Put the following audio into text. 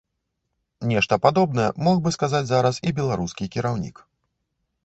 Нешта падобнае мог бы сказаць зараз і беларускі кіраўнік.